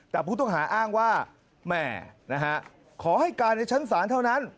แต่ผู้ต้องหาอ้างว่าแม่ขอให้การในชั้นศาลเท่านั้น